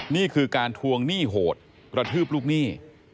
นี่คือการทวงหนี้โหดกระทืบลูกหนี้